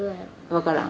分からん？